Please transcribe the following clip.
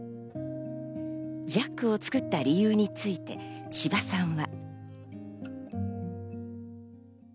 ＪＡＣを作った理由について千葉さんは。